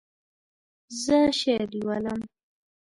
زه شعر لولم.